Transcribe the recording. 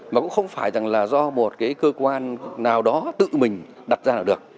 mà cũng không phải rằng là do một cơ quan nào đó tự mình đặt ra nào được